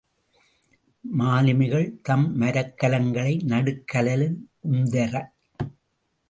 மாலுமிகள் தம் மரக்கலங்களை நடுக்கடலில் உந்தார்.